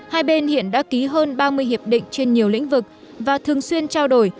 hai bên hiện đã ký hơn ba mươi hiệp định trên nhiều lĩnh vực và thường xuyên trao đổi